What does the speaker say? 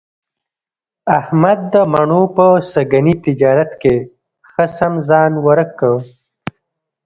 احمد د مڼو په سږني تجارت کې ښه سم ځان ورک کړ.